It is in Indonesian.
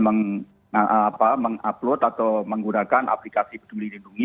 mengupload atau menggunakan aplikasi peduli lindungi